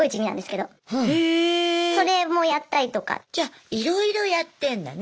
じゃいろいろやってんだね。